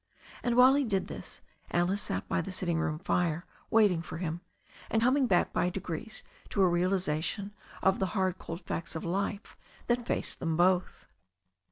And while he did this Alice sat by the sitting room fire, waiting for him, and coming back by degrees to a realiza tion of the hard cold facts of life that faced them both.